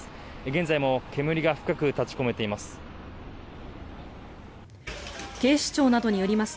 現在も煙が深く立ち込めています。